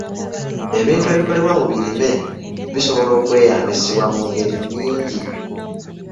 Ebintu ebikolebwa mu birime bisobola okweyambisibwa mu ngeri nnyingi.